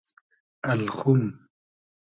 الخوم